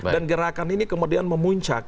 dan gerakan ini kemudian memuncak